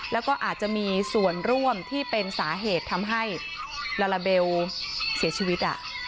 แล้วก็อาจจะมีส่วนร่วมที่เป็นสาเหตุทำให้ลาลาเบลเสียชีวิต